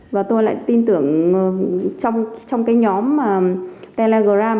và tôi lại tin tưởng trong cái nhóm telegram